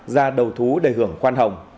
ra đầu thú đề hưởng quan hồng